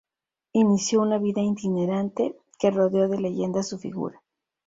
Inició una vida itinerante que rodeó de leyendas su figura.